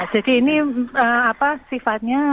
jadi ini apa sifatnya